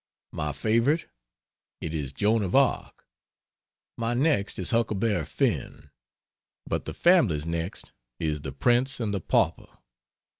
My favorite? It is "Joan of Arc." My next is "Huckleberry Finn," but the family's next is "The Prince and the Pauper."